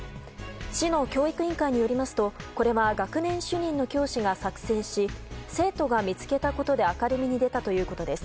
市の教育委員会によりますとこれは学年主任の教師が作成し生徒が見つけたことで明るみに出たということです。